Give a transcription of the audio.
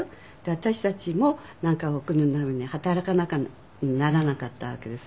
私たちもなんかお国のために働かなきゃならなかったわけですね。